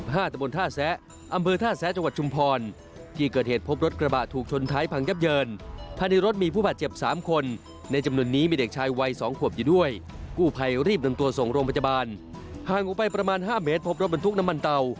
ห่างออกไปประมาณ๕เมตรพบรถบรรทุกน้ำมันเต่า